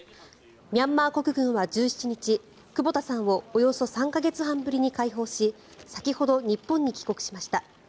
ミャンマー国軍は１７日久保田さんをおよそ３か月半ぶりに解放し先ほど日本に帰国しました。